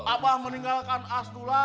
abah meninggalkan asdulah